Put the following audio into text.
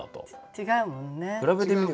違うもんね。